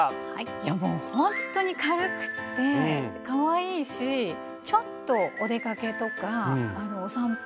いやもうほんっとに軽くってかわいいしちょっとお出かけとかお散歩。